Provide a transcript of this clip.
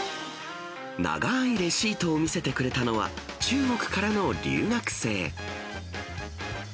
長ーいレシートを見せてくれたのは、中国からの留学生。